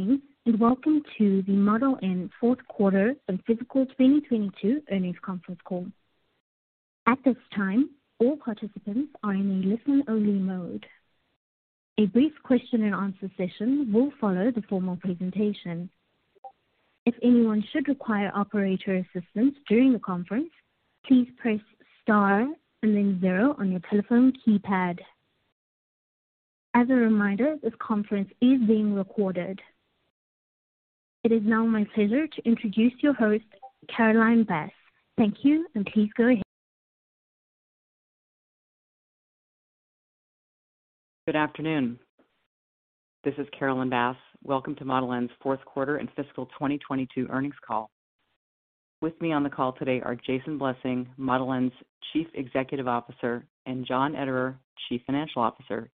Greetings, and welcome to the Model N fourth quarter and fiscal 2022 earnings conference call. At this time, all participants are in a listen-only mode. A brief question and answer session will follow the formal presentation. If anyone should require operator assistance during the conference, please press star and then zero on your telephone keypad. As a reminder, this conference is being recorded. It is now my pleasure to introduce your host, Carolyn Bass. Thank you, and please go ahead. Good afternoon. This is Carolyn Bass. Welcome to Model N's fourth quarter and fiscal 2022 earnings call. With me on the call today are Jason Blessing, Model N's Chief Executive Officer, and John Ederer, Chief Financial Officer.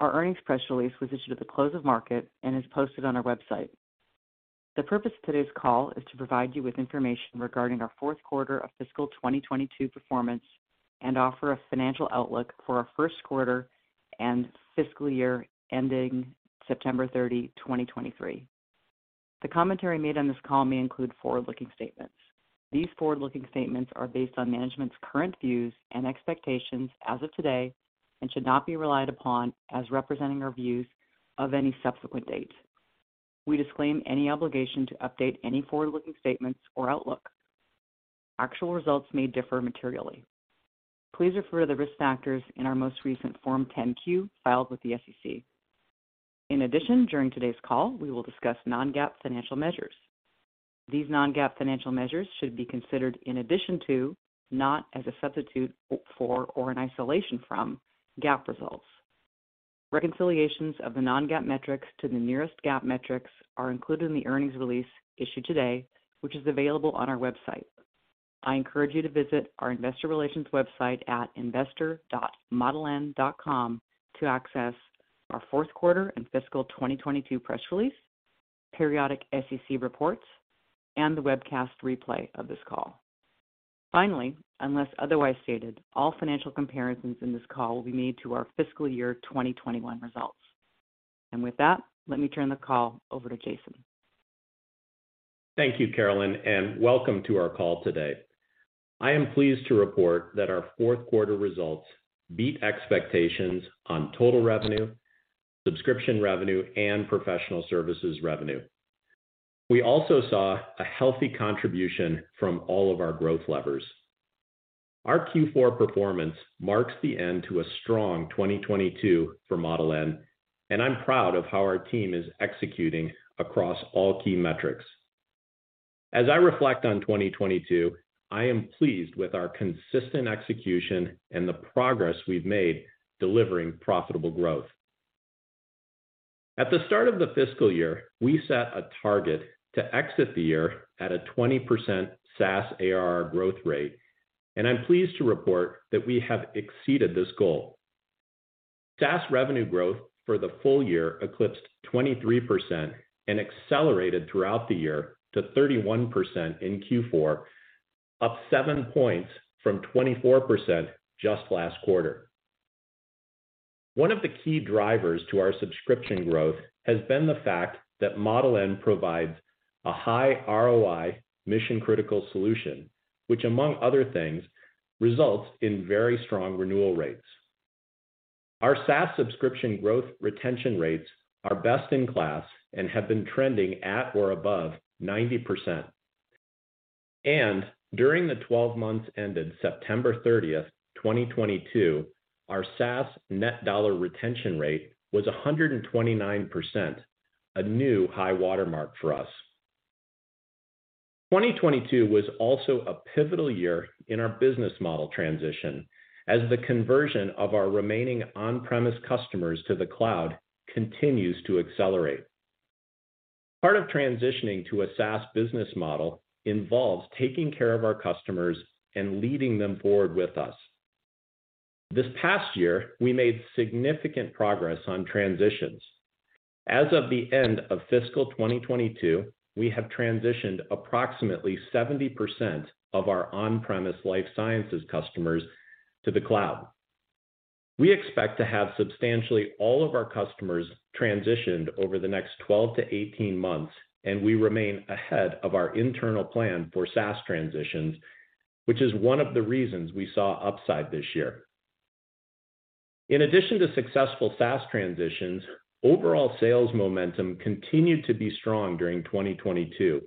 Our earnings press release was issued at the close of market and is posted on our website. The purpose of today's call is to provide you with information regarding our fourth quarter of fiscal 2022 performance and offer a financial outlook for our first quarter and fiscal year ending September 30, 2023. The commentary made on this call may include forward-looking statements. These forward-looking statements are based on management's current views and expectations as of today and should not be relied upon as representing our views of any subsequent date. We disclaim any obligation to update any forward-looking statements or outlook. Actual results may differ materially. Please refer to the risk factors in our most recent Form 10-Q filed with the SEC. In addition, during today's call, we will discuss non-GAAP financial measures. These non-GAAP financial measures should be considered in addition to, not as a substitute for or an isolation from GAAP results. Reconciliations of the non-GAAP metrics to the nearest GAAP metrics are included in the earnings release issued today, which is available on our website. I encourage you to visit our investor relations website at investor.modeIn.com to access our fourth quarter and fiscal 2022 press release, periodic SEC reports, and the webcast replay of this call. Finally, unless otherwise stated, all financial comparisons in this call will be made to our fiscal year 2021 results. With that, let me turn the call over to Jason. Thank you, Carolyn, and welcome to our call today. I am pleased to report that our fourth quarter results beat expectations on total revenue, subscription revenue, and professional services revenue. We also saw a healthy contribution from all of our growth levers. Our Q4 performance marks the end to a strong 2022 for Model N, and I'm proud of how our team is executing across all key metrics. As I reflect on 2022, I am pleased with our consistent execution and the progress we've made delivering profitable growth. At the start of the fiscal year, we set a target to exit the year at a 20% SaaS ARR growth rate, and I'm pleased to report that we have exceeded this goal. SaaS revenue growth for the full year eclipsed 23% and accelerated throughout the year to 31% in Q4, up 7 points from 24% just last quarter. One of the key drivers to our subscription growth has been the fact that Model N provides a high ROI mission-critical solution, which among other things, results in very strong renewal rates. Our SaaS subscription growth retention rates are best in class and have been trending at or above 90%. During the twelve months ended September 30, 2022, our SaaS net dollar retention rate was 129%, a new high watermark for us. 2022 was also a pivotal year in our business model transition as the conversion of our remaining on-premise customers to the cloud continues to accelerate. Part of transitioning to a SaaS business model involves taking care of our customers and leading them forward with us. This past year, we made significant progress on transitions. As of the end of fiscal 2022, we have transitioned approximately 70% of our on-premise life sciences customers to the cloud. We expect to have substantially all of our customers transitioned over the next 12-18 months, and we remain ahead of our internal plan for SaaS transitions, which is one of the reasons we saw upside this year. In addition to successful SaaS transitions, overall sales momentum continued to be strong during 2022,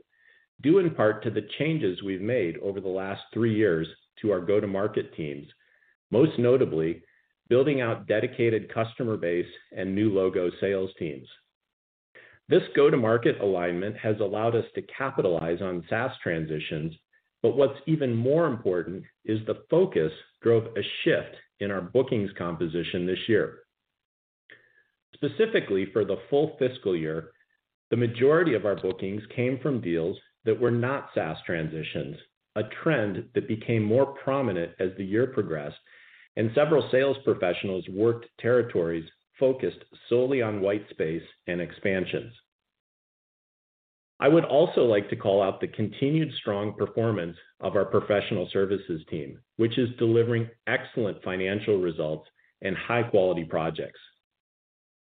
due in part to the changes we've made over the last three years to our go-to-market teams, most notably building out dedicated customer base and new logo sales teams. This go-to-market alignment has allowed us to capitalize on SaaS transitions, but what's even more important is the focus drove a shift in our bookings composition this year. Specifically for the full fiscal year, the majority of our bookings came from deals that were not SaaS transitions, a trend that became more prominent as the year progressed and several sales professionals worked territories focused solely on white space and expansions. I would also like to call out the continued strong performance of our professional services team, which is delivering excellent financial results and high-quality projects.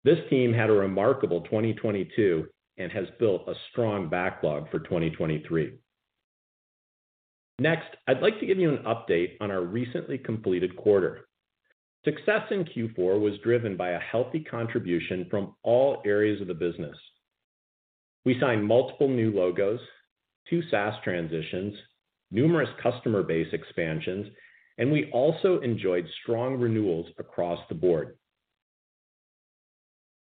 This team had a remarkable 2022 and has built a strong backlog for 2023. Next, I'd like to give you an update on our recently completed quarter. Success in Q4 was driven by a healthy contribution from all areas of the business. We signed multiple new logos, two SaaS transitions, numerous customer base expansions, and we also enjoyed strong renewals across the board.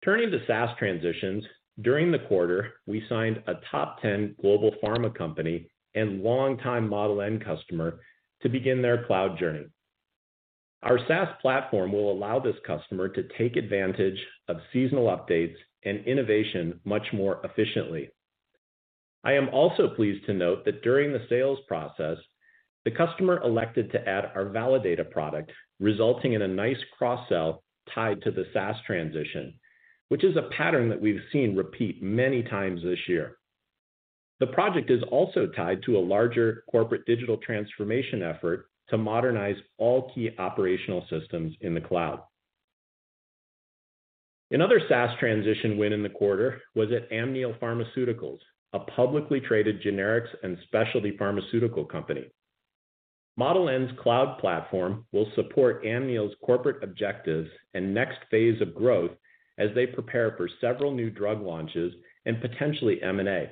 Turning to SaaS transitions, during the quarter, we signed a top 10 global pharma company and longtime Model N customer to begin their cloud journey. Our SaaS platform will allow this customer to take advantage of seasonal updates and innovation much more efficiently. I am also pleased to note that during the sales process, the customer elected to add our Validata product, resulting in a nice cross-sell tied to the SaaS transition, which is a pattern that we've seen repeat many times this year. The project is also tied to a larger corporate digital transformation effort to modernize all key operational systems in the cloud. Another SaaS transition win in the quarter was at Amneal Pharmaceuticals, a publicly traded generics and specialty pharmaceutical company. Model N's cloud platform will support Amneal's corporate objectives and next phase of growth as they prepare for several new drug launches and potentially M&A.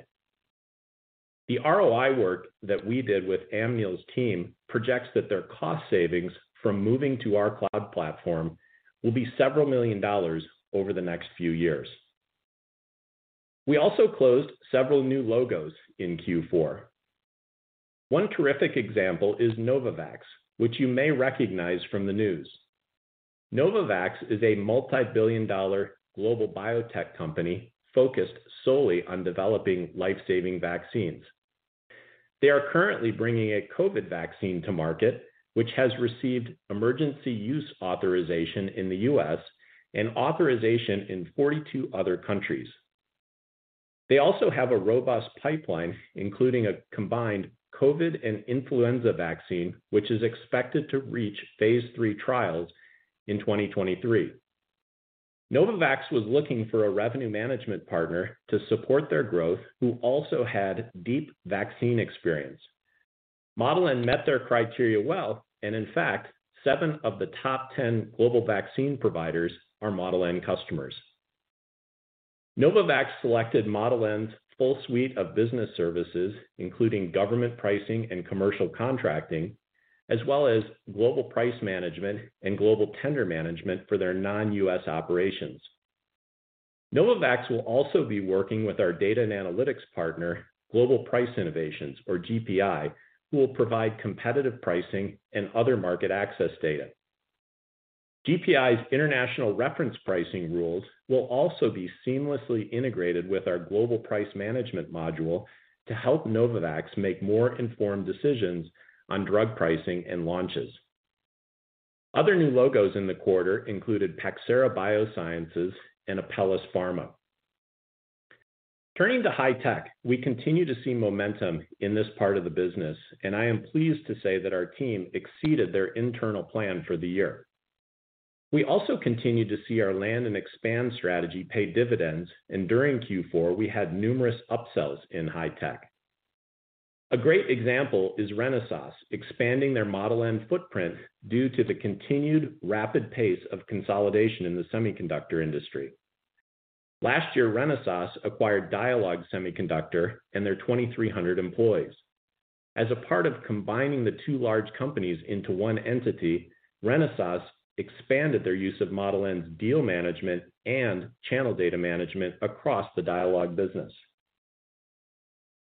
The ROI work that we did with Amneal's team projects that their cost savings from moving to our cloud platform will be $several million over the next few years. We also closed several new logos in Q4. One terrific example is Novavax, which you may recognize from the news. Novavax is a multi-billion-dollar global biotech company focused solely on developing life-saving vaccines. They are currently bringing a COVID vaccine to market, which has received emergency use authorization in the U.S. and authorization in 42 other countries. They also have a robust pipeline, including a combined COVID and influenza vaccine, which is expected to reach phase III trials in 2023. Novavax was looking for a revenue management partner to support their growth who also had deep vaccine experience. Model N met their criteria well, and in fact, seven of the top ten global vaccine providers are Model N customers. Novavax selected Model N's full suite of business services, including Government Pricing and commercial contracting, as well as Global Pricing Management and Global Tender Management for their non-U.S. operations. Novavax will also be working with our data and analytics partner, Global Pricing Innovations or GPI, who will provide competitive pricing and other market access data. GPI's international reference pricing rules will also be seamlessly integrated with our Global Pricing Management module to help Novavax make more informed decisions on drug pricing and launches. Other new logos in the quarter included Pacira BioSciences and Apellis Pharma. Turning to high-tech, we continue to see momentum in this part of the business, and I am pleased to say that our team exceeded their internal plan for the year. We also continue to see our land and expand strategy pay dividends, and during Q4, we had numerous upsells in high-tech. A great example is Renesas expanding their Model N footprint due to the continued rapid pace of consolidation in the semiconductor industry. Last year, Renesas acquired Dialog Semiconductor and their 2,300 employees. As a part of combining the two large companies into one entity, Renesas expanded their use of Model N's Deal Management and Channel Data Management across the Dialog business.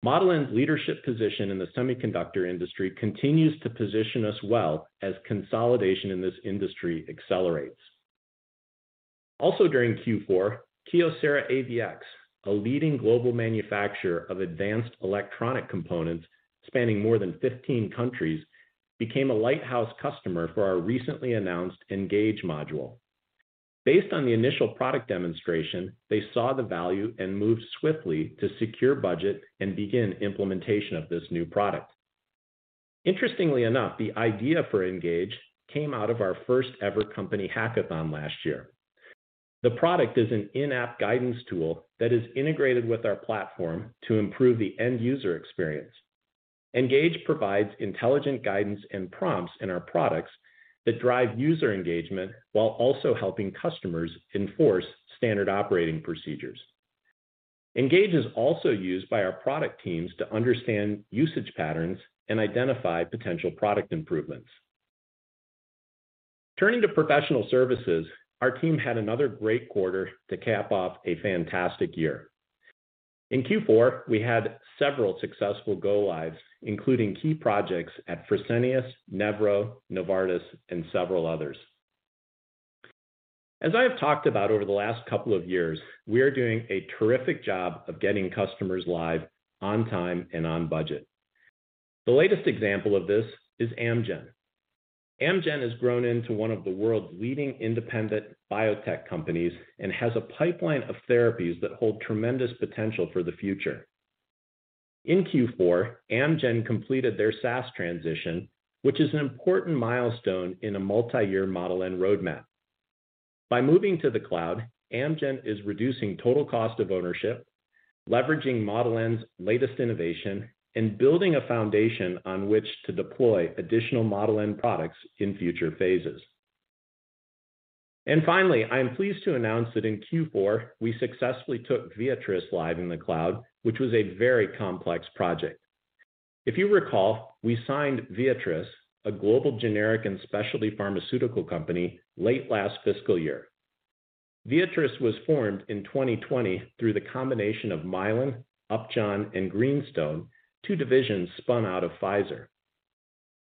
Model N's leadership position in the semiconductor industry continues to position us well as consolidation in this industry accelerates. Also during Q4, KYOCERA AVX, a leading global manufacturer of advanced electronic components spanning more than 15 countries, became a lighthouse customer for our recently announced Ngage module. Based on the initial product demonstration, they saw the value and moved swiftly to secure budget and begin implementation of this new product. Interestingly enough, the idea for Ngage came out of our first-ever company hackathon last year. The product is an in-app guidance tool that is integrated with our platform to improve the end-user experience. Ngage provides intelligent guidance and prompts in our products that drive user engagement while also helping customers enforce standard operating procedures. Ngage is also used by our product teams to understand usage patterns and identify potential product improvements. Turning to professional services, our team had another great quarter to cap off a fantastic year. In Q4, we had several successful go lives, including key projects at Fresenius, Nevro, Novartis, and several others. As I have talked about over the last couple of years, we are doing a terrific job of getting customers live on time and on budget. The latest example of this is Amgen. Amgen has grown into one of the world's leading independent biotech companies and has a pipeline of therapies that hold tremendous potential for the future. In Q4, Amgen completed their SaaS transition, which is an important milestone in a multi-year Model N roadmap. By moving to the cloud, Amgen is reducing total cost of ownership, leveraging Model N's latest innovation, and building a foundation on which to deploy additional Model N products in future phases. Finally, I am pleased to announce that in Q4, we successfully took Viatris live in the cloud, which was a very complex project. If you recall, we signed Viatris, a global generic and specialty pharmaceutical company, late last fiscal year. Viatris was formed in 2020 through the combination of Mylan, Upjohn, and Greenstone, two divisions spun out of Pfizer.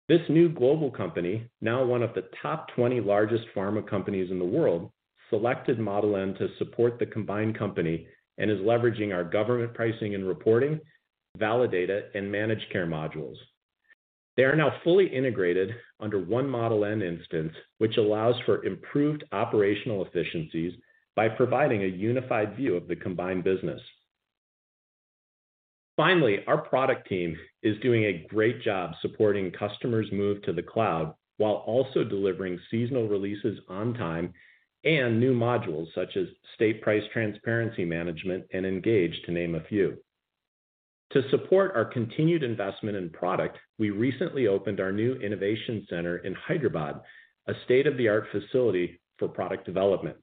This new global company, now one of the top 20 largest pharma companies in the world, selected Model N to support the combined company and is leveraging our Government Pricing, Validata, and Managed Care modules. They are now fully integrated under one Model N instance, which allows for improved operational efficiencies by providing a unified view of the combined business. Finally, our product team is doing a great job supporting customers move to the cloud while also delivering seasonal releases on time and new modules such as State Price Transparency Management and Ngage, to name a few. To support our continued investment in product, we recently opened our new innovation center in Hyderabad, a state-of-the-art facility for product development.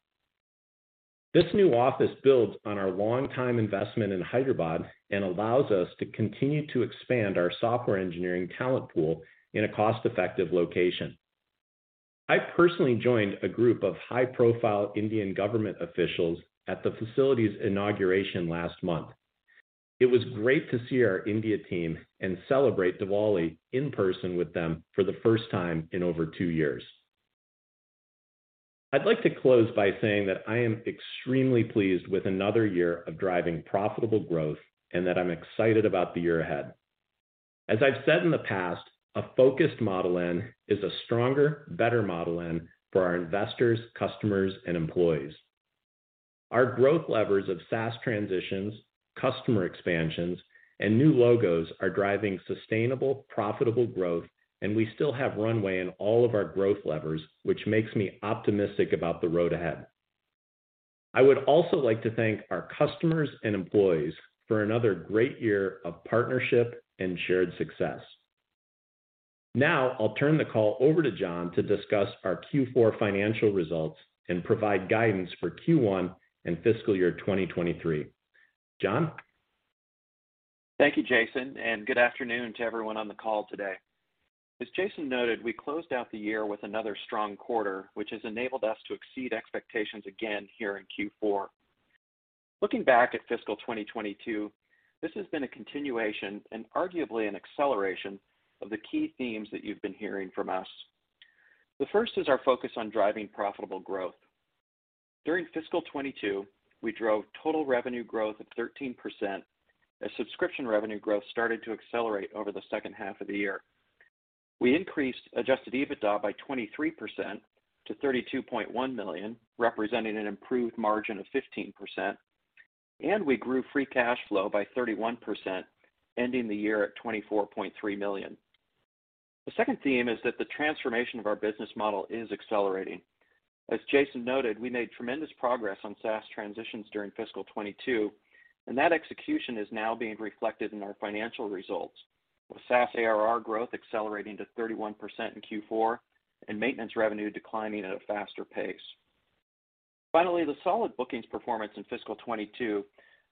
This new office builds on our longtime investment in Hyderabad and allows us to continue to expand our software engineering talent pool in a cost-effective location. I personally joined a group of high-profile Indian government officials at the facility's inauguration last month. It was great to see our India team and celebrate Diwali in person with them for the first time in over two years. I'd like to close by saying that I am extremely pleased with another year of driving profitable growth and that I'm excited about the year ahead. As I've said in the past, a focused Model N is a stronger, better Model N for our investors, customers, and employees. Our growth levers of SaaS transitions, customer expansions, and new logos are driving sustainable, profitable growth, and we still have runway in all of our growth levers, which makes me optimistic about the road ahead. I would also like to thank our customers and employees for another great year of partnership and shared success. Now I'll turn the call over to John to discuss our Q4 financial results and provide guidance for Q1 and fiscal year 2023. John? Thank you, Jason, and good afternoon to everyone on the call today. As Jason noted, we closed out the year with another strong quarter, which has enabled us to exceed expectations again here in Q4. Looking back at fiscal 2022, this has been a continuation and arguably an acceleration of the key themes that you've been hearing from us. The first is our focus on driving profitable growth. During fiscal 2022, we drove total revenue growth of 13% as subscription revenue growth started to accelerate over the second half of the year. We increased adjusted EBITDA by 23% to $32.1 million, representing an improved margin of 15%, and we grew free cash flow by 31%, ending the year at $24.3 million. The second theme is that the transformation of our business model is accelerating. As Jason noted, we made tremendous progress on SaaS transitions during fiscal 2022, and that execution is now being reflected in our financial results, with SaaS ARR growth accelerating to 31% in Q4 and maintenance revenue declining at a faster pace. Finally, the solid bookings performance in fiscal 2022,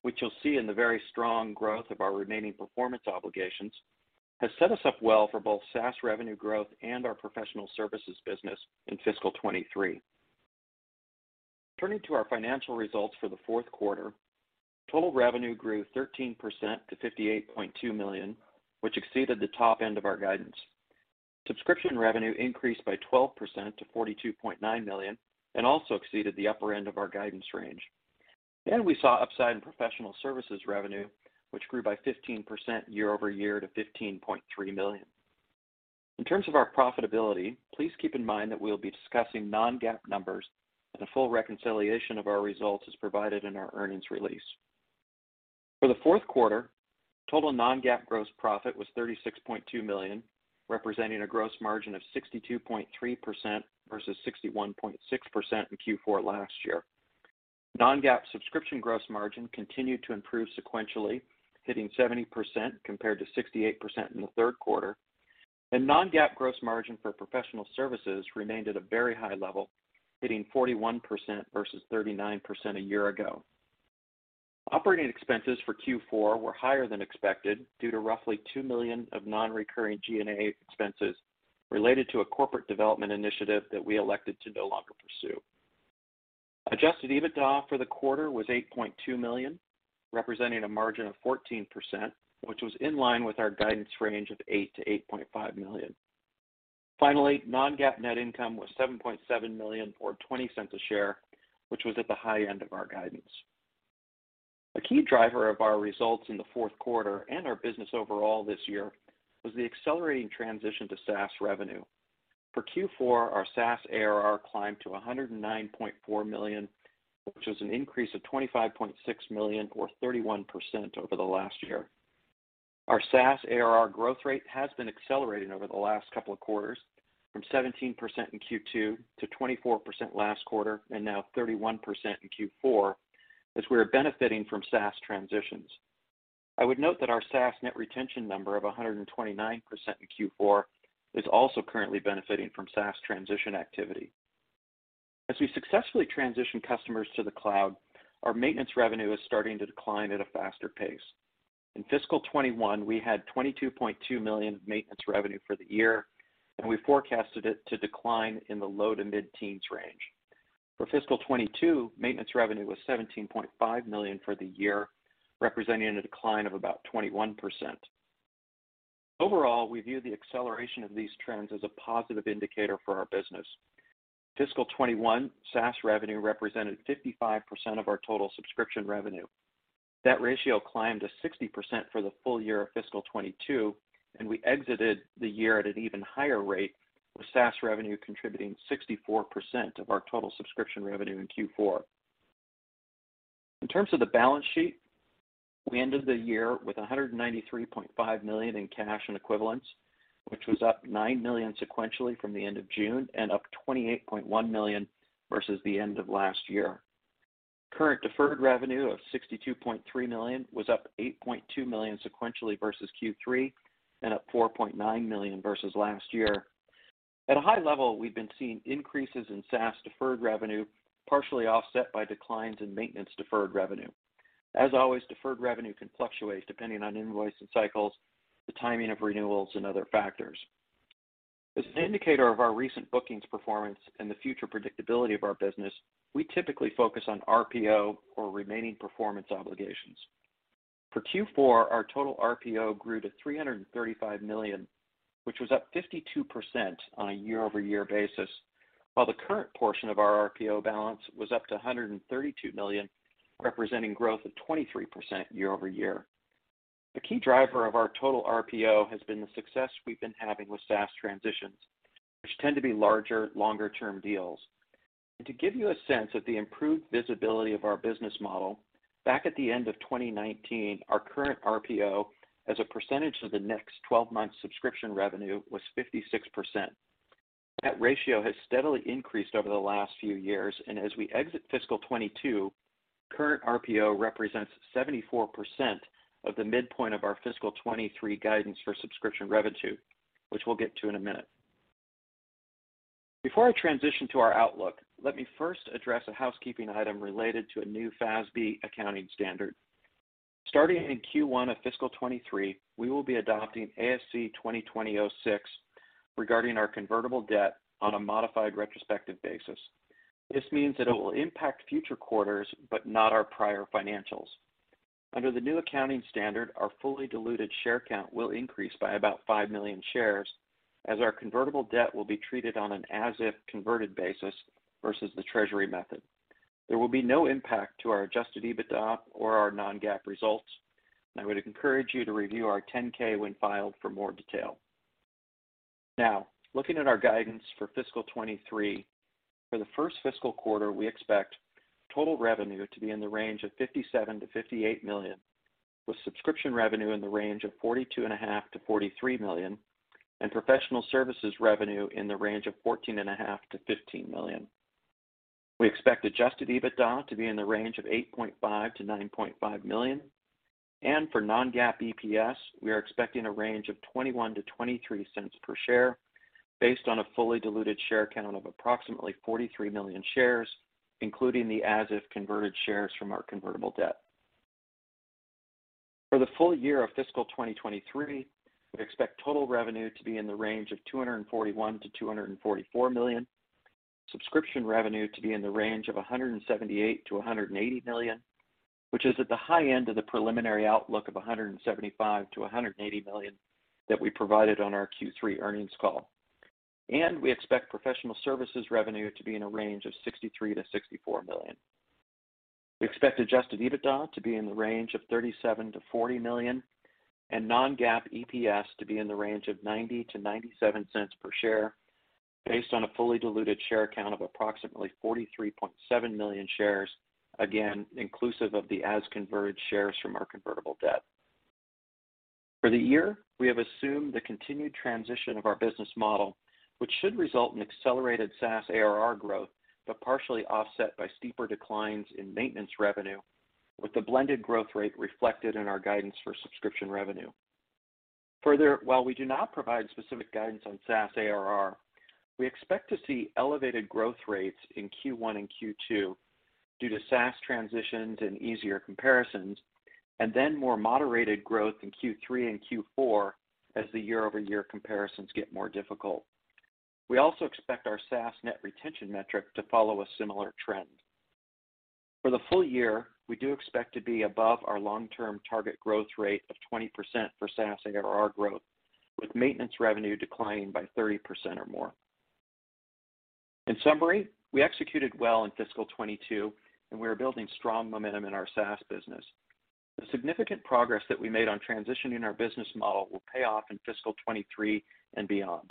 which you'll see in the very strong growth of our remaining performance obligations, has set us up well for both SaaS revenue growth and our professional services business in fiscal 2023. Turning to our financial results for the fourth quarter, total revenue grew 13% to $58.2 million, which exceeded the top end of our guidance. Subscription revenue increased by 12% to $42.9 million and also exceeded the upper end of our guidance range. We saw upside in professional services revenue, which grew by 15% year-over-year to $15.3 million. In terms of our profitability, please keep in mind that we'll be discussing non-GAAP numbers, and a full reconciliation of our results is provided in our earnings release. For the fourth quarter, total non-GAAP gross profit was $36.2 million, representing a gross margin of 62.3% versus 61.6% in Q4 last year. Non-GAAP subscription gross margin continued to improve sequentially, hitting 70% compared to 68% in the third quarter. Non-GAAP gross margin for professional services remained at a very high level, hitting 41% versus 39% a year ago. Operating expenses for Q4 were higher than expected due to roughly $2 million of non-recurring G&A expenses related to a corporate development initiative that we elected to no longer pursue. Adjusted EBITDA for the quarter was $8.2 million, representing a margin of 14%, which was in line with our guidance range of $8 million-$8.5 million. Finally, non-GAAP net income was $7.7 million, or $0.20 per share, which was at the high end of our guidance. A key driver of our results in the fourth quarter and our business overall this year was the accelerating transition to SaaS revenue. For Q4, our SaaS ARR climbed to $109.4 million, which was an increase of $25.6 million or 31% over the last year. Our SaaS ARR growth rate has been accelerating over the last couple of quarters, from 17% in Q2 to 24% last quarter, and now 31% in Q4 as we are benefiting from SaaS transitions. I would note that our SaaS net retention number of 129% in Q4 is also currently benefiting from SaaS transition activity. As we successfully transition customers to the cloud, our maintenance revenue is starting to decline at a faster pace. In fiscal 2021, we had $22.2 million of maintenance revenue for the year, and we forecasted it to decline in the low to mid-teens range. For fiscal 2022, maintenance revenue was $17.5 million for the year, representing a decline of about 21%. Overall, we view the acceleration of these trends as a positive indicator for our business. Fiscal 2021, SaaS revenue represented 55% of our total subscription revenue. That ratio climbed to 60% for the full year of fiscal 2022, and we exited the year at an even higher rate, with SaaS revenue contributing 64% of our total subscription revenue in Q4. In terms of the balance sheet, we ended the year with $193.5 million in cash and equivalents, which was up $9 million sequentially from the end of June and up $28.1 million versus the end of last year. Current deferred revenue of $62.3 million was up $8.2 million sequentially versus Q3 and up $4.9 million versus last year. At a high level, we've been seeing increases in SaaS deferred revenue, partially offset by declines in maintenance deferred revenue. As always, deferred revenue can fluctuate depending on invoicing cycles, the timing of renewals, and other factors. As an indicator of our recent bookings performance and the future predictability of our business, we typically focus on RPO or Remaining Performance Obligations. For Q4, our total RPO grew to $335 million, which was up 52% on a year-over-year basis, while the current portion of our RPO balance was up to $132 million, representing growth of 23% year-over-year. A key driver of our total RPO has been the success we've been having with SaaS transitions, which tend to be larger, longer-term deals. To give you a sense of the improved visibility of our business model, back at the end of 2019, our current RPO as a percentage of the next 12 months subscription revenue was 56%. That ratio has steadily increased over the last few years, and as we exit fiscal 2022, current RPO represents 74% of the midpoint of our fiscal 2023 guidance for subscription revenue, which we'll get to in a minute. Before I transition to our outlook, let me first address a housekeeping item related to a new FASB accounting standard. Starting in Q1 of fiscal 2023, we will be adopting ASU 2020-06 regarding our convertible debt on a modified retrospective basis. This means that it will impact future quarters, but not our prior financials. Under the new accounting standard, our fully diluted share count will increase by about 5 million shares as our convertible debt will be treated on an as if converted basis versus the treasury method. There will be no impact to our adjusted EBITDA or our non-GAAP results. I would encourage you to review our 10-K when filed for more detail. Now, looking at our guidance for fiscal 2023, for the first fiscal quarter, we expect total revenue to be in the range of $57 million-$58 million, with subscription revenue in the range of $42.5 million-$43 million, and professional services revenue in the range of $14.5 million-$15 million. We expect adjusted EBITDA to be in the range of $8.5 million-$9.5 million. For non-GAAP EPS, we are expecting a range of $0.21-$0.23 per share based on a fully diluted share count of approximately 43 million shares, including the as if converted shares from our convertible debt. For the full year of fiscal 2023, we expect total revenue to be in the range of $241 million-$244 million, subscription revenue to be in the range of $178 million-$180 million, which is at the high end of the preliminary outlook of $175 million-$180 million that we provided on our Q3 earnings call. We expect professional services revenue to be in a range of $63 million-$64 million. We expect adjusted EBITDA to be in the range of $37 million-$40 million, and non-GAAP EPS to be in the range of $0.90-$0.97 per share based on a fully diluted share count of approximately 43.7 million shares, again, inclusive of the as converted shares from our convertible debt. For the year, we have assumed the continued transition of our business model, which should result in accelerated SaaS ARR growth, but partially offset by steeper declines in maintenance revenue, with the blended growth rate reflected in our guidance for subscription revenue. Further, while we do not provide specific guidance on SaaS ARR, we expect to see elevated growth rates in Q1 and Q2 due to SaaS transitions and easier comparisons, and then more moderated growth in Q3 and Q4 as the year-over-year comparisons get more difficult. We also expect our SaaS net retention metric to follow a similar trend. For the full year, we do expect to be above our long-term target growth rate of 20% for SaaS ARR growth, with maintenance revenue declining by 30% or more. In summary, we executed well in fiscal 2022 and we are building strong momentum in our SaaS business. The significant progress that we made on transitioning our business model will pay off in fiscal 2023 and beyond.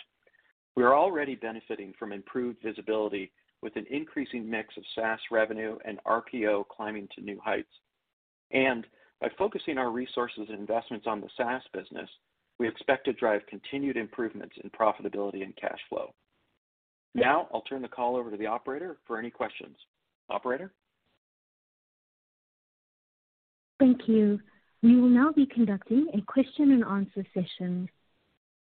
We are already benefiting from improved visibility with an increasing mix of SaaS revenue and RPO climbing to new heights. By focusing our resources and investments on the SaaS business, we expect to drive continued improvements in profitability and cash flow. Now I'll turn the call over to the operator for any questions. Operator? Thank you. We will now be conducting a question and answer session.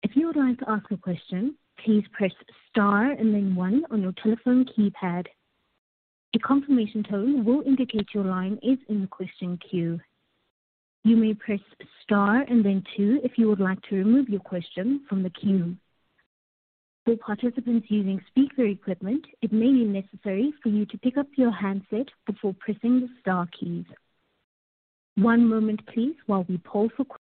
If you would like to ask a question, please press star and then one on your telephone keypad. A confirmation tone will indicate your line is in the question queue. You may press star and then two if you would like to remove your question from the queue. For participants using speaker equipment, it may be necessary for you to pick up your handset before pressing the star keys. One moment, please, while we poll for questions.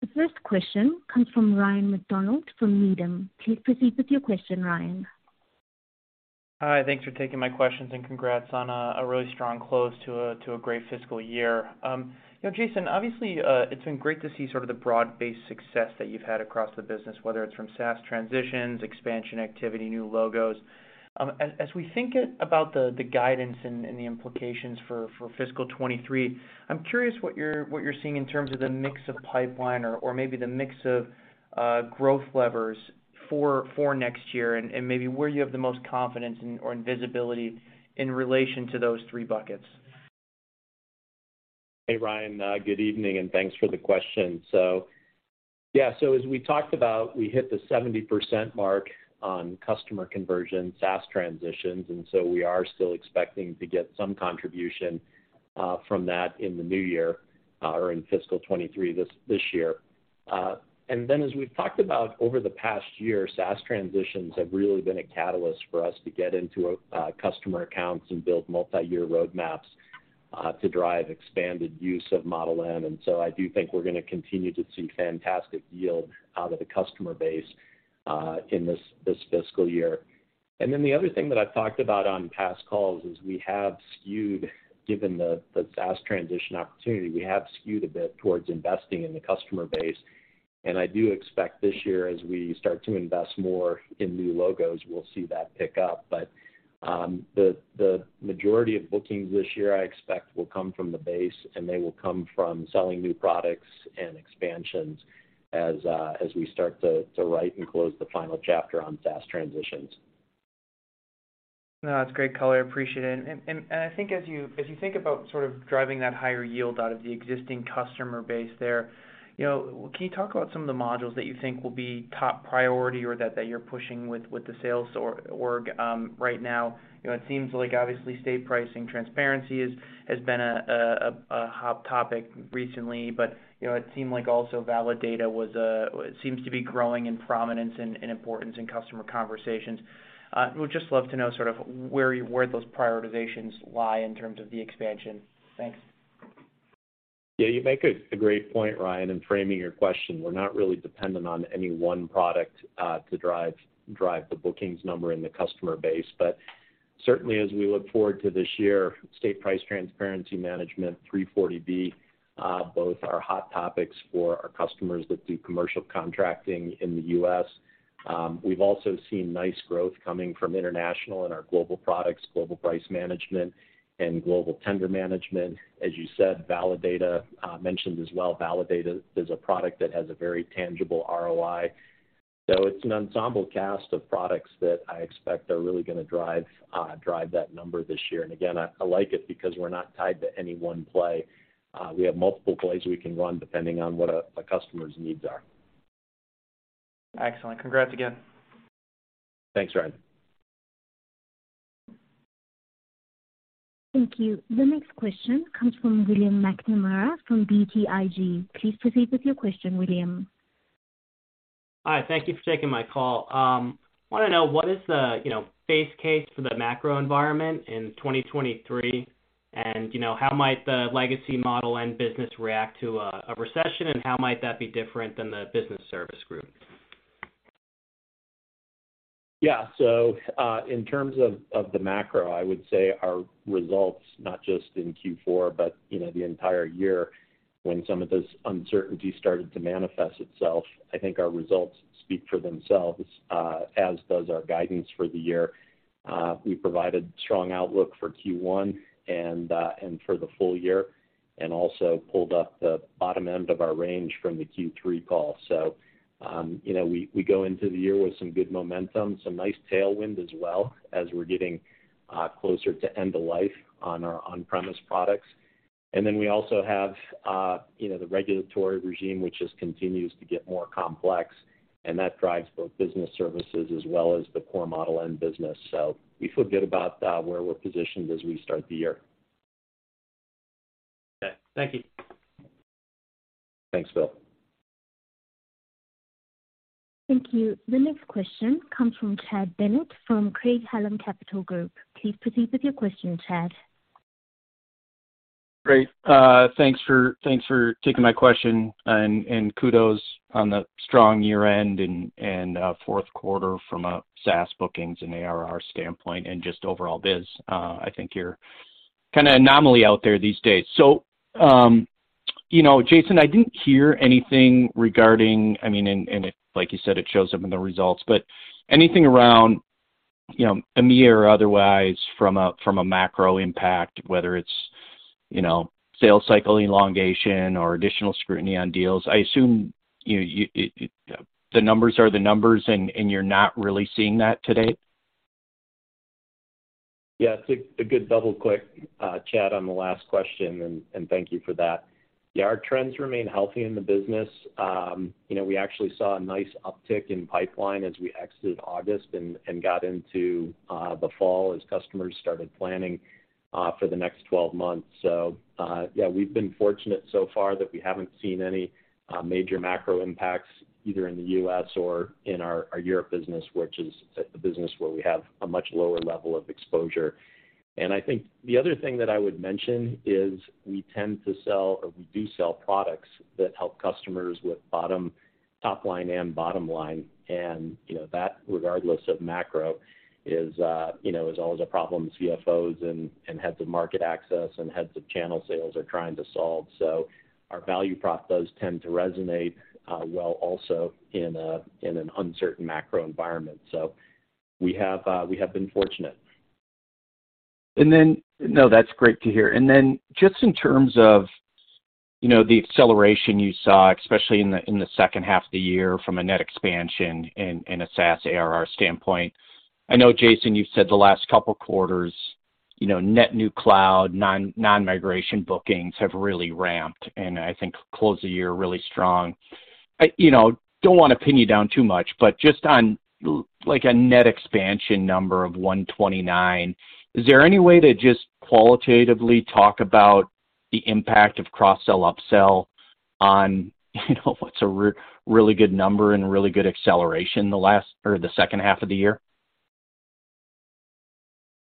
The first question comes from Ryan MacDonald from Needham. Please proceed with your question, Ryan. Hi, thanks for taking my questions and congrats on a really strong close to a great fiscal year. You know, Jason, obviously, it's been great to see sort of the broad-based success that you've had across the business, whether it's from SaaS transitions, expansion activity, new logos. As we think about the guidance and the implications for fiscal 2023, I'm curious what you're seeing in terms of the mix of pipeline or maybe the mix of growth levers for next year and maybe where you have the most confidence and/or visibility in relation to those three buckets. Hey, Ryan, good evening, and thanks for the question. Yeah, as we talked about, we hit the 70% mark on customer conversion SaaS transitions, and we are still expecting to get some contribution from that in the new year, or in fiscal 2023 this year. Then as we've talked about over the past year, SaaS transitions have really been a catalyst for us to get into customer accounts and build multi-year roadmaps to drive expanded use of Model N. I do think we're gonna continue to see fantastic yield out of the customer base in this fiscal year. Then the other thing that I've talked about on past calls is we have skewed, given the SaaS transition opportunity, a bit towards investing in the customer base. I do expect this year, as we start to invest more in new logos, we'll see that pick up. The majority of bookings this year, I expect, will come from the base, and they will come from selling new products and expansions as we start to write and close the final chapter on SaaS transitions. No, that's great color. I appreciate it. I think as you think about sort of driving that higher yield out of the existing customer base there, you know, can you talk about some of the modules that you think will be top priority or that you're pushing with the sales org right now? You know, it seems like obviously state pricing transparency has been a hot topic recently, but, you know, it seems like Validata seems to be growing in prominence and importance in customer conversations. Would just love to know sort of where those prioritizations lie in terms of the expansion. Thanks. Yeah, you make a great point, Ryan, in framing your question. We're not really dependent on any one product to drive the bookings number in the customer base. Certainly as we look forward to this year, State Price Transparency Management, 340B, both are hot topics for our customers that do commercial contracting in the U.S. We've also seen nice growth coming from international in our global products, Global Pricing Management and Global Tender Management. As you said, Validata, mentioned as well, Validata is a product that has a very tangible ROI. It's an ensemble cast of products that I expect are really gonna drive that number this year. Again, I like it because we're not tied to any one play. We have multiple plays we can run depending on what a customer's needs are. Excellent. Congrats again. Thanks, Ryan. Thank you. The next question comes from William McNamara from BTIG. Please proceed with your question, William. Hi. Thank you for taking my call. Wanna know what is the, you know, base case for the macro environment in 2023? How might the legacy Model N business react to a recession, and how might that be different than the business service group? Yeah. In terms of the macro, I would say our results, not just in Q4, but you know the entire year, when some of this uncertainty started to manifest itself, I think our results speak for themselves, as does our guidance for the year. We provided strong outlook for Q1 and for the full year, and also pulled up the bottom end of our range from the Q3 call. You know, we go into the year with some good momentum, some nice tailwind as well, as we're getting closer to end of life on our on-premise products. We also have the regulatory regime, which just continues to get more complex, and that drives both business services as well as the core Model N business. We feel good about where we're positioned as we start the year. Okay. Thank you. Thanks, Bill. Thank you. The next question comes from Chad Bennett from Craig-Hallum Capital Group. Please proceed with your question, Chad. Great. Thanks for taking my question and kudos on the strong year-end and fourth quarter from a SaaS bookings and ARR standpoint and just overall biz. I think you're kind of an anomaly out there these days. Jason, I didn't hear anything regarding. I mean, like you said, it shows up in the results, but anything around, you know, EMEA or otherwise from a macro impact, whether it's, you know, sales cycle elongation or additional scrutiny on deals. I assume you. The numbers are the numbers and you're not really seeing that to date. It's a good double-click, Chad, on the last question, and thank you for that. Yeah, our trends remain healthy in the business. You know, we actually saw a nice uptick in pipeline as we exited August and got into the fall as customers started planning for the next 12 months. Yeah, we've been fortunate so far that we haven't seen any major macro impacts either in the U.S. or in our Europe business, which is a business where we have a much lower level of exposure. I think the other thing that I would mention is we tend to sell or we do sell products that help customers with top line and bottom line. You know, that regardless of macro is always a problem CFOs and heads of market access and heads of channel sales are trying to solve. Our value props does tend to resonate well also in an uncertain macro environment. We have been fortunate. No, that's great to hear. Just in terms of, you know, the acceleration you saw, especially in the second half of the year from a net expansion in a SaaS ARR standpoint. I know, Jason, you've said the last couple quarters, net new cloud non-migration bookings have really ramped and I think closed the year really strong. I don't wanna pin you down too much, but just on like a net expansion number of 129%, is there any way to just qualitatively talk about the impact of cross-sell, up-sell on, you know, what's a really good number and a really good acceleration or the second half of the year?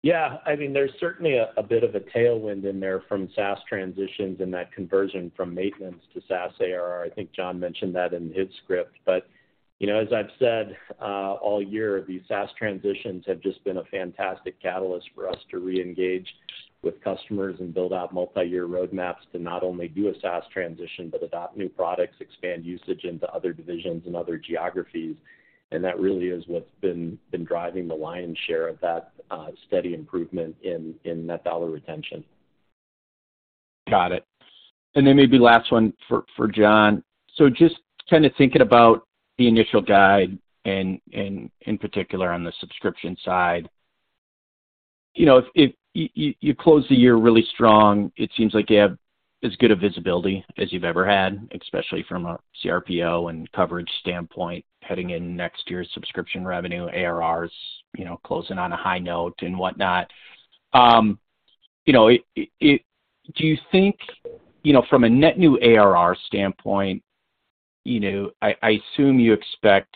Yeah. I mean, there's certainly a bit of a tailwind in there from SaaS transitions and that conversion from maintenance to SaaS ARR. I think John mentioned that in his script. You know, as I've said all year, these SaaS transitions have just been a fantastic catalyst for us to reengage with customers and build out multi-year roadmaps to not only do a SaaS transition, but adopt new products, expand usage into other divisions and other geographies. That really is what's been driving the lion's share of that steady improvement in net dollar retention. Got it. Maybe last one for John. Just kinda thinking about the initial guide and in particular on the subscription side. You know, if you closed the year really strong, it seems like you have as good a visibility as you've ever had, especially from a CRPO and coverage standpoint, heading in next year's subscription revenue, ARRs, you know, closing on a high note and whatnot. You know, do you think, you know, from a net new ARR standpoint, you know, I assume you expect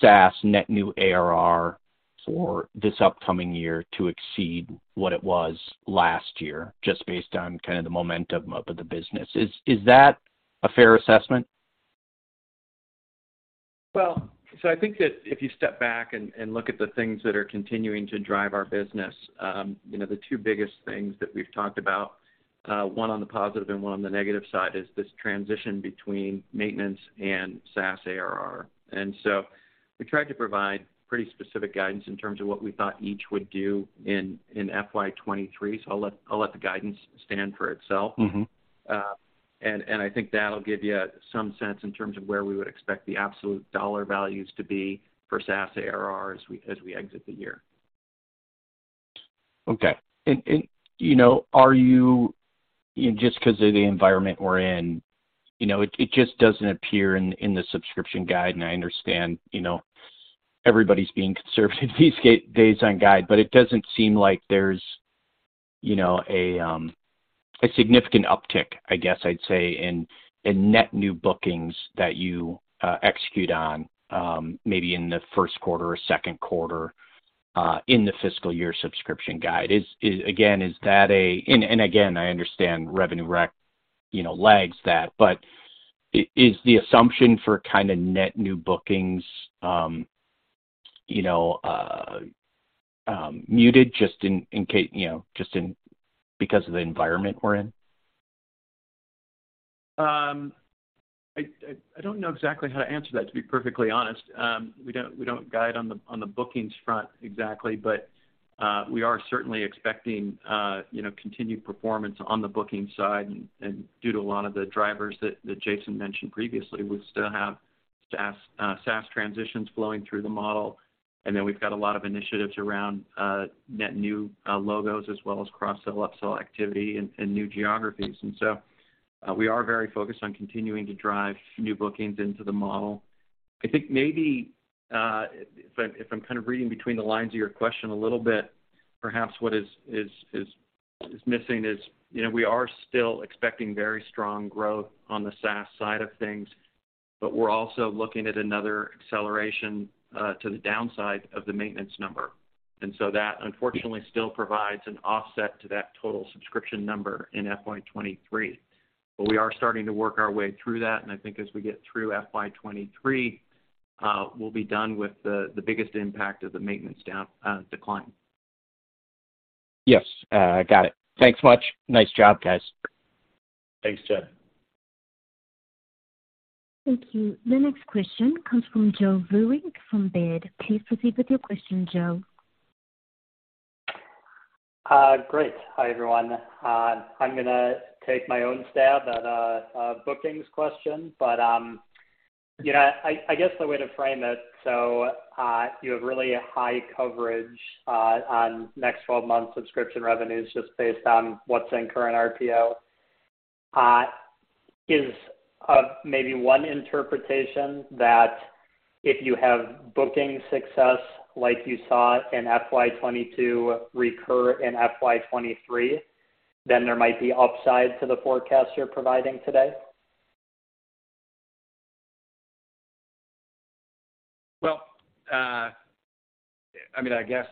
SaaS net new ARR for this upcoming year to exceed what it was last year just based on kinda the momentum of the business. Is that a fair assessment? Well, I think that if you step back and look at the things that are continuing to drive our business, you know, the two biggest things that we've talked about, one on the positive and one on the negative side, is this transition between maintenance and SaaS ARR. We tried to provide pretty specific guidance in terms of what we thought each would do in FY 2023, so I'll let the guidance stand for itself. I think that'll give you some sense in terms of where we would expect the absolute dollar values to be for SaaS ARR as we exit the year. Just 'cause of the environment we're in, you know, it just doesn't appear in the subscription guide, and I understand, you know, everybody's being conservative these days on guide, but it doesn't seem like there's, you know, a significant uptick, I guess I'd say, in net new bookings that you execute on, maybe in the first quarter or second quarter, in the fiscal year subscription guide. Is that. Again, I understand revenue rec, you know, lags that. But is the assumption for kinda net new bookings, you know, muted just because of the environment we're in? I don't know exactly how to answer that, to be perfectly honest. We don't guide on the bookings front exactly, but we are certainly expecting, you know, continued performance on the booking side and due to a lot of the drivers that Jason mentioned previously, we still have SaaS transitions flowing through the model. Then we've got a lot of initiatives around net new logos as well as cross-sell, up-sell activity in new geographies. We are very focused on continuing to drive new bookings into the model. I think maybe if I'm kind of reading between the lines of your question a little bit, perhaps what is missing is, you know, we are still expecting very strong growth on the SaaS side of things, but we're also looking at another acceleration to the downside of the maintenance number. That unfortunately still provides an offset to that total subscription number in FY 2023. We are starting to work our way through that, and I think as we get through FY 2023, we'll be done with the biggest impact of the maintenance decline. Yes, got it. Thanks much. Nice job, guys. Thanks, Chad. Thank you. The next question comes from Joe Vruwink from Baird. Please proceed with your question, Joe. Great. Hi, everyone. I'm gonna take my own stab at a bookings question, but I guess the way to frame it, so, you have really high coverage on next 12 months subscription revenues just based on what's in current RPO. Is maybe one interpretation that if you have booking success like you saw in FY 2022 recur in FY 2023, then there might be upside to the forecast you're providing today? Well, I mean, I guess,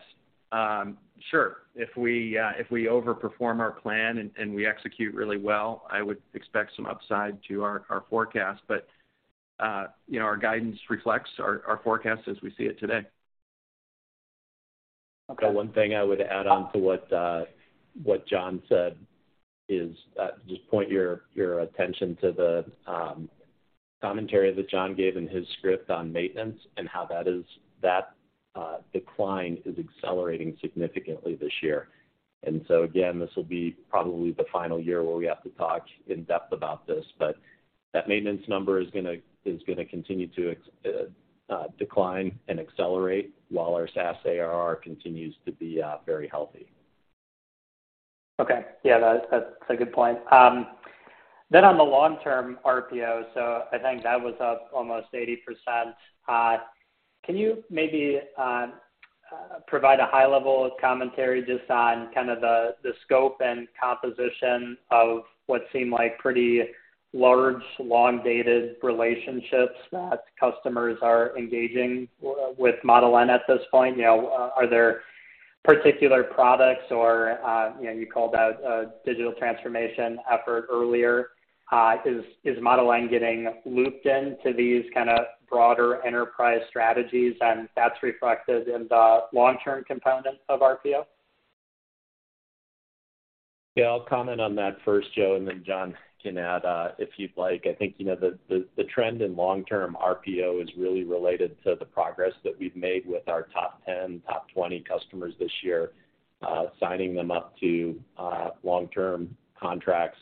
sure. If we overperform our plan and we execute really well, I would expect some upside to our forecast. You know, our guidance reflects our forecast as we see it today. Okay. The one thing I would add on to what John said is just point your attention to the commentary that John gave in his script on maintenance and how that decline is accelerating significantly this year. Again, this will be probably the final year where we have to talk in depth about this. That maintenance number is gonna continue to decline and accelerate while our SaaS ARR continues to be very healthy. Okay. Yeah, that's a good point. On the long-term RPO, I think that was up almost 80%. Can you maybe provide a high-level commentary just on kind of the scope and composition of what seemed like pretty large, long-dated relationships that customers are engaging with Model N at this point? You know, are there particular products or, you know, you called out a digital transformation effort earlier. Is Model N getting looped into these kinda broader enterprise strategies, and that's reflected in the long-term component of RPO? Yeah, I'll comment on that first, Joe, and then John can add if you'd like. I think the trend in long-term RPO is really related to the progress that we've made with our top 10, top 20 customers this year, signing them up to long-term contracts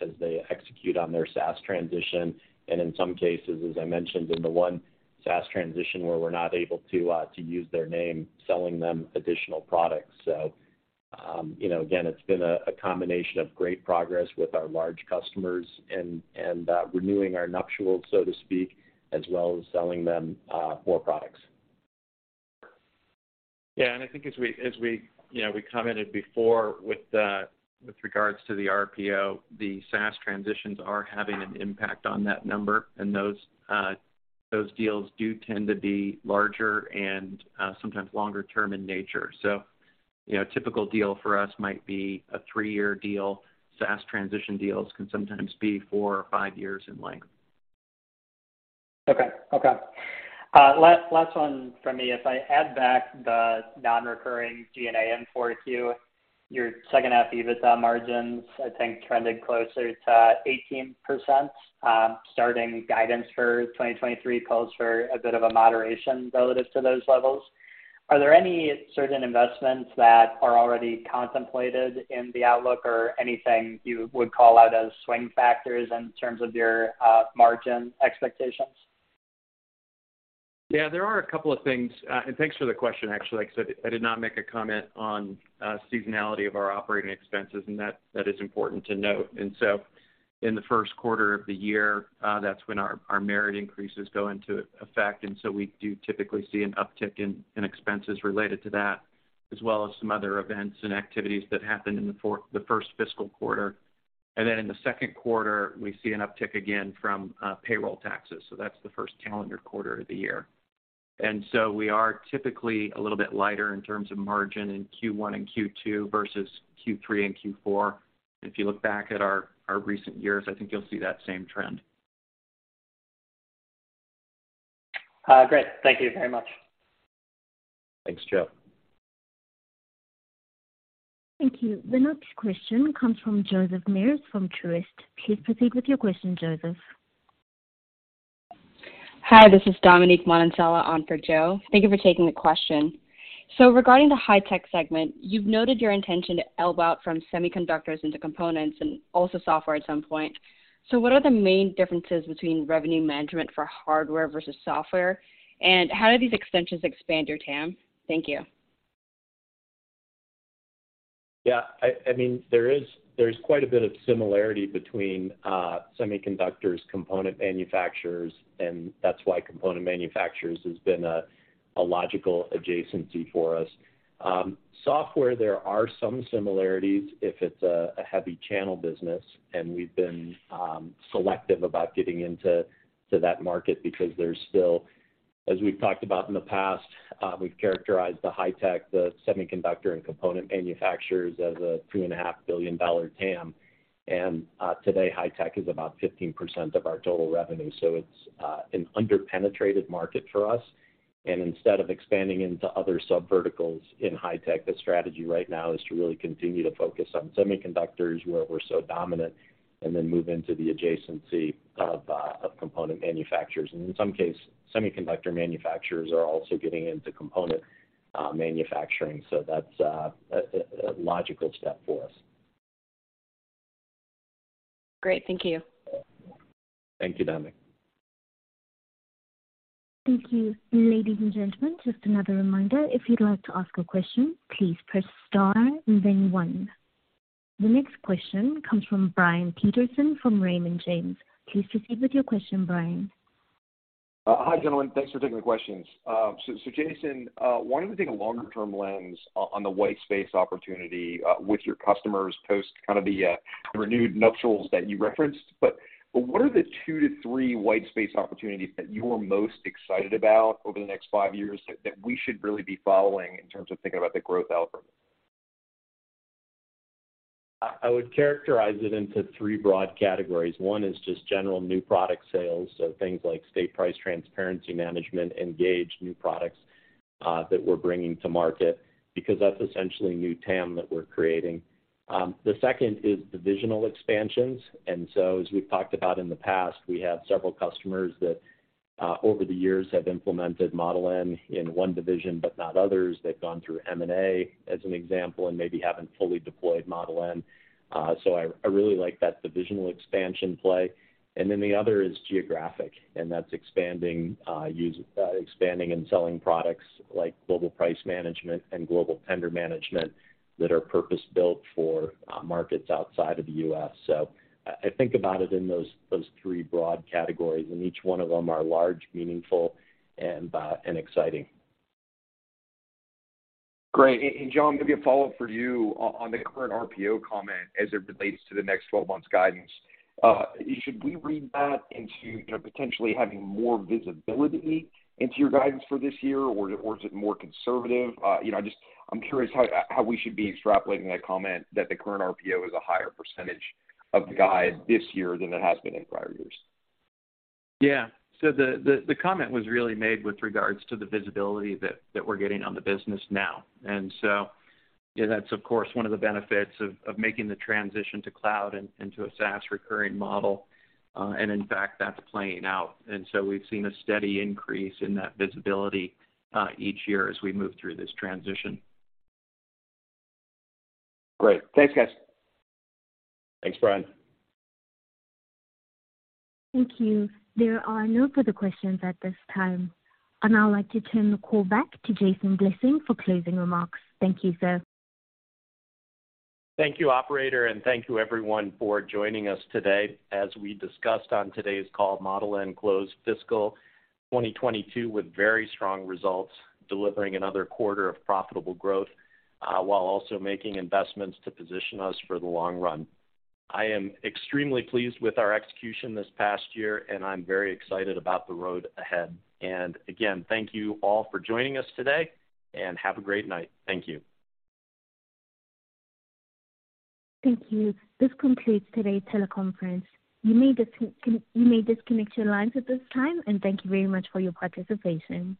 as they execute on their SaaS transition. In some cases, as I mentioned in the one SaaS transition where we're not able to use their name, selling them additional products. You know, again, it's been a combination of great progress with our large customers and renewing our nuptials, so to speak, as well as selling them more products. Yeah, I think we commented before with regards to the RPO, the SaaS transitions are having an impact on that number, and those deals do tend to be larger and sometimes longer term in nature. A typical deal for us might be a three-year deal. SaaS transition deals can sometimes be four or five years in length. Okay. Last one from me. If I add back the non-recurring G&A in 4Q, your second half EBITDA margins, I think trended closer to 18%. Starting guidance for 2023 calls for a bit of a moderation relative to those levels. Are there any certain investments that are already contemplated in the outlook or anything you would call out as swing factors in terms of your margin expectations? Yeah, there are a couple of things. Thanks for the question, actually. Like I said, I did not make a comment on seasonality of our operating expenses, and that is important to note. In the first quarter of the year, that's when our merit increases go into effect, and we do typically see an uptick in expenses related to that, as well as some other events and activities that happen in the first fiscal quarter. In the second quarter, we see an uptick again from payroll taxes. That's the first calendar quarter of the year. We are typically a little bit lighter in terms of margin in Q1 and Q2 versus Q3 and Q4. If you look back at our recent years, I think you'll see that same trend. Great. Thank you very much. Thanks, Joe. Thank you. The next question comes from Joseph Meares from Truist. Please proceed with your question, Joseph. Hi, this is Dominique Manganella on for Joe. Thank you for taking the question. Regarding the high tech segment, you've noted your intention to branch out from semiconductors into components and also software at some point. What are the main differences between revenue management for hardware versus software, and how do these extensions expand your TAM? Thank you. Yeah, I mean, there is quite a bit of similarity between semiconductor and component manufacturers, and that's why component manufacturers has been a logical adjacency for us. Software, there are some similarities if it's a heavy channel business, and we've been selective about getting into that market. As we've talked about in the past, we've characterized the high-tech, the semiconductor and component manufacturers as a $2.5 billion TAM. Today, high-tech is about 15% of our total revenue, so it's an under-penetrated market for us. Instead of expanding into other subverticals in high-tech, the strategy right now is to really continue to focus on semiconductors where we're so dominant and then move into the adjacency of component manufacturers. In some cases, semiconductor manufacturers are also getting into component manufacturing. That's a logical step for us. Great. Thank you. Thank you, Dominique. Thank you. Ladies and gentlemen, just another reminder, if you'd like to ask a question, please press star and then one. The next question comes from Brian Peterson from Raymond James. Please proceed with your question, Brian. Hi, gentlemen. Thanks for taking the questions. Jason, wanting to take a longer-term lens on the white space opportunity with your customers post kinda the renewed nuptials that you referenced, but what are the two to three white space opportunities that you are most excited about over the next five years that we should really be following in terms of thinking about the growth algorithm? I would characterize it into three broad categories. One is just general new product sales, so things like State Price Transparency Management, Ngage new products, that we're bringing to market because that's essentially new TAM that we're creating. The second is divisional expansions. As we've talked about in the past, we have several customers that over the years have implemented Model N in one division but not others. They've gone through M&A, as an example, and maybe haven't fully deployed Model N. I really like that divisional expansion play. The other is geographic, and that's expanding and selling products like Global Pricing Management and Global Tender Management that are purpose-built for markets outside of the U.S. I think about it in those three broad categories, and each one of them are large, meaningful, and exciting. Great. John Ederer, maybe a follow-up for you on the current RPO comment as it relates to the next 12 months guidance. Should we read that into, you know, potentially having more visibility into your guidance for this year, or is it more conservative? You know, I just, I'm curious how we should be extrapolating that comment that the current RPO is a higher percentage of the guide this year than it has been in prior years. Yeah. So the comment was really made with regards to the visibility that we're getting on the business now. That's, of course, one of the benefits of making the transition to cloud and into a SaaS recurring model. In fact, that's playing out. We've seen a steady increase in that visibility each year as we move through this transition. Great. Thanks, guys. Thanks, Brian. Thank you. There are no further questions at this time. I'd now like to turn the call back to Jason Blessing for closing remarks. Thank you, sir. Thank you, operator, and thank you everyone for joining us today. As we discussed on today's call, Model N closed fiscal 2022 with very strong results, delivering another quarter of profitable growth, while also making investments to position us for the long run. I am extremely pleased with our execution this past year, and I'm very excited about the road ahead. Again, thank you all for joining us today, and have a great night. Thank you. Thank you. This concludes today's teleconference. You may disconnect your lines at this time, and thank you very much for your participation.